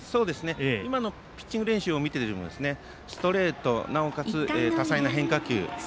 今のピッチング練習を見てもストレートなおかつ多彩な変化球。